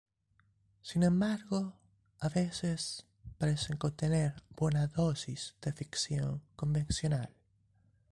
Sin embargo, a veces parece contener buena dosis de ficción convencional.